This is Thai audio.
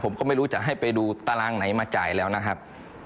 ผมก็ไม่รู้จะให้ไปดูตารางไหนมาจ่ายแล้วนะครับ